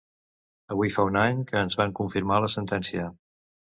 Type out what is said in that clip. Avui fa un any que ens van confirmar la sentència.